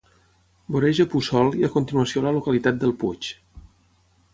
Voreja Puçol i a continuació la localitat del Puig.